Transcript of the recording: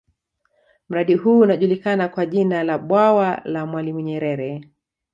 Mradi huu unajulikana kwa jina la Bwawa la mwalimu nyerere